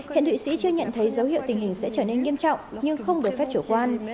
hiện thụy sĩ chưa nhận thấy dấu hiệu tình hình sẽ trở nên nghiêm trọng nhưng không được phép chủ quan